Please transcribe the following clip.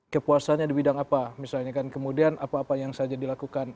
kepuasannya di bidang apa misalnya kan kemudian apa apa yang saja dilakukan